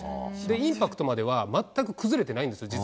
インパクトまでは全く崩れてないんですよ。